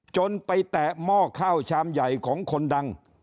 จนไปแตะหม้อข้าวชามใหญ่ของคนดัง